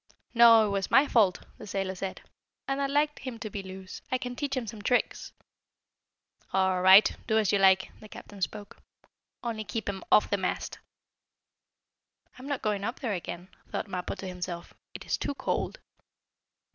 "No, it was my fault," the sailor said. "And I'd like him to be loose. I can teach him some tricks." "All right, do as you like," the captain spoke. "Only keep him off the mast." "I'm not going up there again," thought Mappo to himself. "It is too cold."